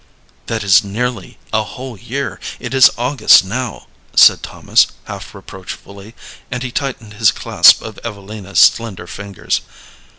"That is nearly a whole year; it is August now," said Thomas, half reproachfully, and he tightened his clasp of Evelina's slender fingers.